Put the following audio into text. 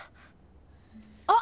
あっ！